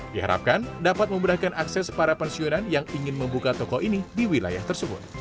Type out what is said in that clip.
diharapkan dapat memudahkan akses para pensiunan yang ingin membuka toko ini di wilayah tersebut